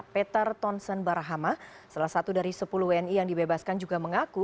peter tonsen barahama salah satu dari sepuluh wni yang dibebaskan juga mengaku